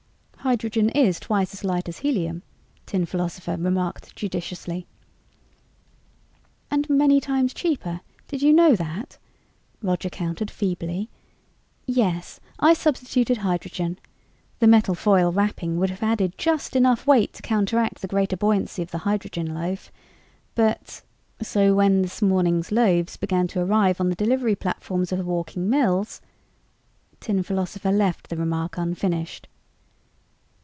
"Hydrogen is twice as light as helium," Tin Philosopher remarked judiciously. "And many times cheaper did you know that?" Roger countered feebly. "Yes, I substituted hydrogen. The metal foil wrapping would have added just enough weight to counteract the greater buoyancy of the hydrogen loaf. But " "So, when this morning's loaves began to arrive on the delivery platforms of the walking mills...." Tin Philosopher left the remark unfinished.